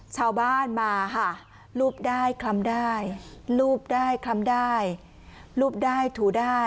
ชาวบ้านมาค่ะรูปได้คล้ำได้รูปได้คล้ำได้รูปได้ถูได้